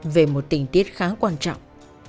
về một tình tiết khá quan trọng